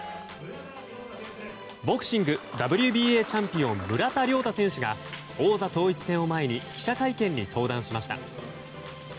ボクシング、ＷＢＡチャンピオン村田諒太選手が王座統一戦を前に記者会見に登壇しました。